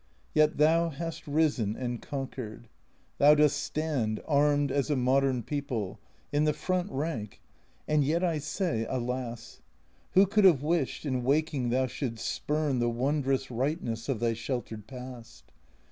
Yet thou hast risen and conquered. Thou dost stand, armed as a modern People In the front rank and yet I say, alas ! Who could have wished, in waking thou shouldst spurn The wondrous Tightness of thy sheltered past